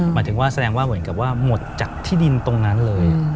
หมายถึงว่าแสดงว่าเหมือนกับว่าหมดจากที่ดินตรงนั้นเลย